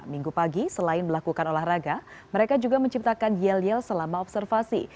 minggu pagi selain melakukan olahraga mereka juga menciptakan yel yel selama observasi